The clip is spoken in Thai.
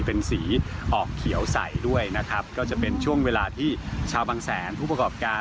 เป็นสีออกเขียวใสด้วยนะครับก็จะเป็นช่วงเวลาที่ชาวบางแสนผู้ประกอบการ